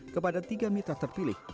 kepada tiga mitra terpilih